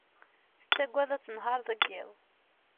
Tettaggad ad tenher deg yiḍ.